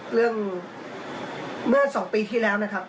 เรื่องเมื่อสองปีที่แล้วนะครับ